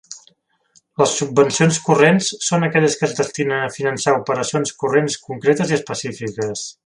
Les subvencions corrents són aquelles que es destinen a finançar operacions corrents concretes i específiques.